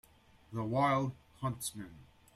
The wild huntsman.